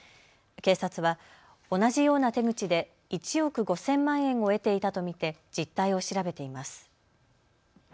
警察は同じような手口で１億５０００万円を得ていたと見て実態を調べています。